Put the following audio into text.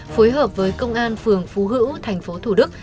phối hợp với công an phường phú hữu tp thủ đức